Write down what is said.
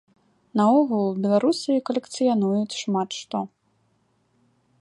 Наогул, беларусы калекцыянуюць шмат што.